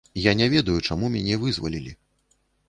Я не ведаю, чаму мяне вызвалілі.